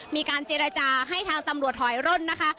มีการเจรจาให้ทางตำรวจถอยร่นนะคะ